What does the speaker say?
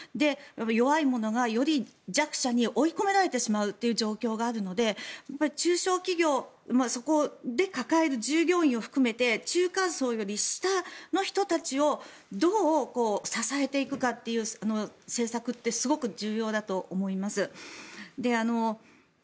弱い者がより弱者に追い込められてしまうという状況があるので中小企業そこで抱える従業員を含めて中間層より下の人たちをどう支えていくかという政策ってすごく重要だと思います。